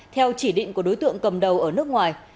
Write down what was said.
theo chỉ định của đối tượng cầm đầu ở nước ngoài